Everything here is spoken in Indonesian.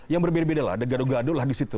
yang berbeda beda lah ada gado gado lah di situ